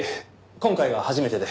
今回が初めてで。